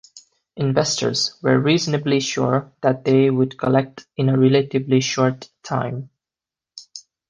Investors were reasonably sure that they would collect in a relatively short time.